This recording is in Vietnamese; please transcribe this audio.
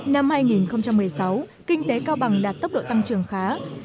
năm hai nghìn một mươi sáu kinh tế cao bằng đạt tốc độ tăng trưởng khá sáu một mươi ba